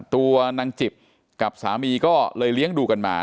ตัวนางจิบกับสามีก็เลยเลี้ยงดูกันมา